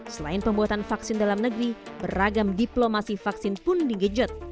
selain pembuatan vaksin dalam negeri beragam diplomasi vaksin pun digejut